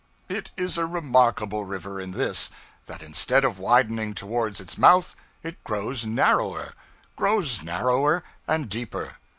It is a remarkable river in this: that instead of widening toward its mouth, it grows narrower; grows narrower and deeper.